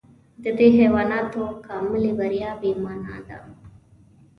د دې حیواناتو تکاملي بریا بې مانا ده.